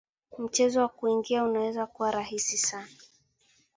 mchezo wa kuigiza unaweza kuwa rahisi sana